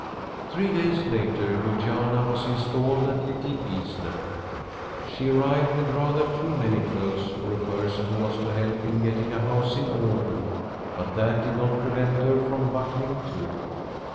Three days later Georgiana was installed at Little Easter. She arrived with rather too many clothes for a person who was to help in getting a house in order, but that did not prevent her from buckling to.